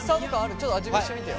ちょっと味見してみてよ。